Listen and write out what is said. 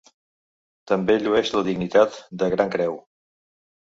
També llueix la dignitat de Gran Creu.